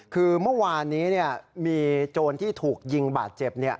คือเมื่อวานนี้มีโจรที่ถูกยิงบาดเจ็บ